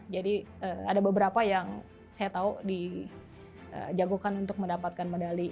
jadi ada beberapa yang saya tahu dijagokan untuk mendapatkan medali